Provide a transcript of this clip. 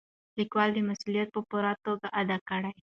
لیکوال دا مسؤلیت په پوره توګه ادا کړی.